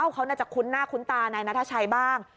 เขาน่าจะคุ้นหน้าคุ้นตานายนัทชัยบ้าง